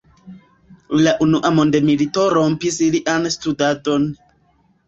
La unua mondmilito rompis lian studadon.